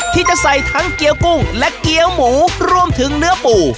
ที่จะใส่ทั้งเกี้ยวกุ้งและเกี้ยวหมูรวมถึงเนื้อปู